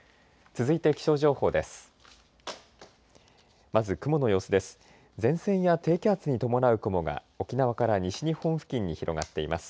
続いて気象情報です。